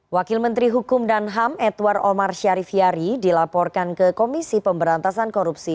wakil menteri hukum dan ham edward omar syarifyari dilaporkan ke komisi pemberantasan korupsi